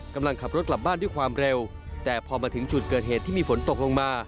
กำลังขับรถกลับบ้านด้วยความเร็วแต่พอมาถึงจุดเกิดเหตุที่มีฝนตกลงมา